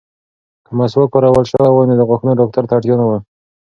که مسواک کارول شوی وای، نو د غاښونو ډاکټر ته اړتیا نه وه.